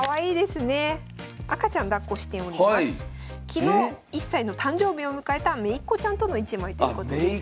昨日１歳の誕生日を迎えためいっ子ちゃんとの一枚ということです。